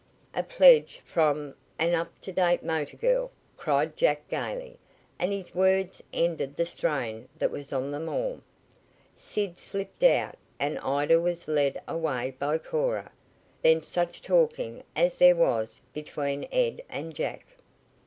"A pledge from an up to date motor girl!" cried Jack gaily, and his words ended the strain that was on them all. Sid slipped out, and Ida was led away by Cora. Then such talking as there was between Ed and Jack!